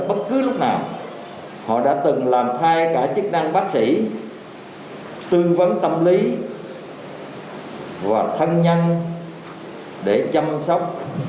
bất cứ lúc nào họ đã từng làm thay cả chức năng bác sĩ tư vấn tâm lý và thân nhân để chăm sóc